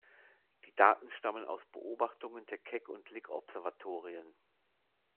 Die Daten stammen aus Beobachtungen der Keck- und Lick-Observatorien.